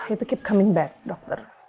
itu terus kembali dokter